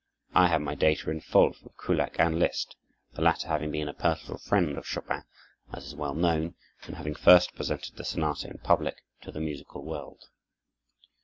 I have my data in full from Kullak and Liszt, the latter having been a personal friend of Chopin, as is well known, and having first presented the sonata in public to the musical world.